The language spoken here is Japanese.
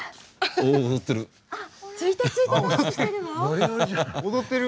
お踊ってる。